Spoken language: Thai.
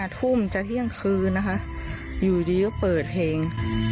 ทุ่มจะเที่ยงคืนนะคะอยู่ดีก็เปิดเพลง